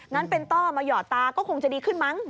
งั้นเป็นต้อมาหยอดตาก็คงจะดีขึ้นมั้ง